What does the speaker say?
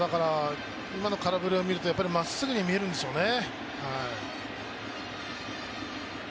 今の空振りを見ると、やっぱりまっすぐに見えるんでしょうね。